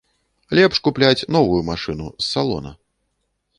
Лепш купляць новую машыну, з салона.